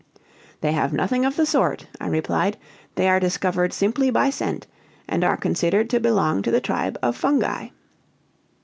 "They have nothing of the sort," I replied; "they are discovered simply by scent, and are considered to belong to the tribe of Fungi."